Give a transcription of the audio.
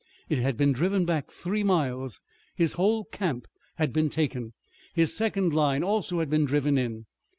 It had been driven back three miles. His whole camp had been taken. His second line also had been driven in.